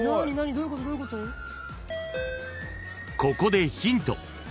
［ここでヒント］